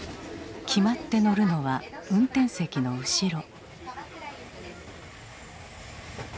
決まって乗るのは運転席の後ろ。